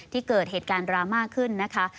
เกิดเหตุการณ์ดราม่าขึ้นนะคะ